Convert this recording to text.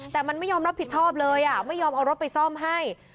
แต่มันไม่ยอมรับผิดชอบเลยไม่ยอมเอารถไปซ่อมให้